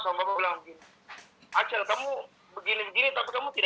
sampai acel pulang malam